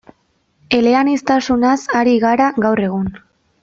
Eleaniztasunaz ari gara gaur egun.